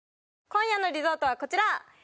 今夜のリゾートはこちら！